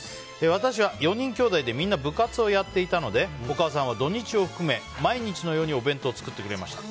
私は４人きょうだいでみんな部活をやっていたのでお母さんは土日を含め、毎日のようにお弁当を作ってくれました。